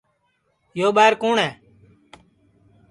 یو ٻائیر کُوٹؔ ہے